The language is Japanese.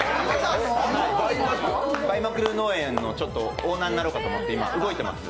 バイマックルー農園のちょっとオーナーになろうかと思って、今、動いています。